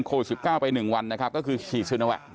โควิด๑๙ไป๑วันนะครับก็คือฉีดซูโนแวค